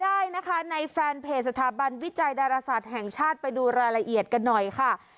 ได้นะคะในแฟนเพจสถาบันวิจัยดาราศาสตร์แห่งชาติไปดูรายละเอียดกันหน่อยค่ะ